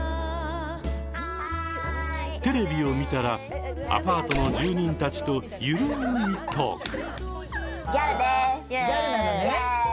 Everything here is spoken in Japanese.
テレビを見たらアパートの住人たちと緩いトーク。